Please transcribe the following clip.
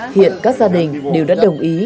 hiện các gia đình đều đã đồng ý